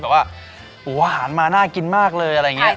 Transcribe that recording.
หูว้าหรอกอยากมาน่ากินมากเลย